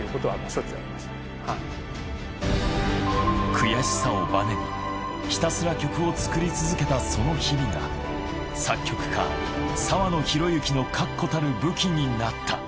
悔しさをバネにひたすら曲を作り続けたその日々が作曲家澤野弘之の確固たる武器になった。